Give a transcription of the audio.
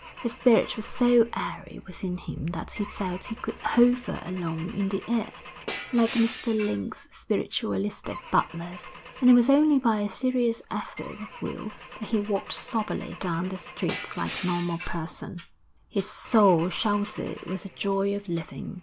His spirit was so airy within him that he felt he could hover along in the air, like Mr Lang's spiritualistic butlers, and it was only by a serious effort of will that he walked soberly down the streets like normal persons. His soul shouted with the joy of living.